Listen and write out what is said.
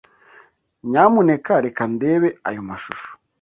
Nyamuneka reka ndebe ayo mashusho.